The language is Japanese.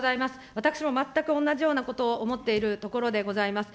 私も全く同じようなことを思っているところでございます。